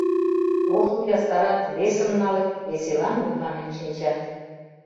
Ошым ястарат, весым налыт, веселан мутланен шинчат.